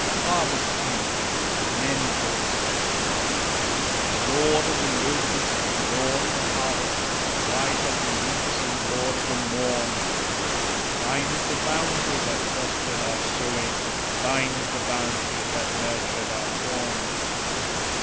HARVEST HYMN Men's Voices Lord of the lotus, lord of the harvest, Bright and munificent lord of the morn! Thine is the bounty that prospered our sowing, Thine is the bounty that nurtured our corn.